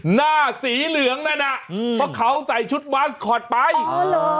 หน้าสีเหลืองนั่นน่ะอืมเพราะเขาใส่ชุดบาสคอตไปอ๋อเหรอ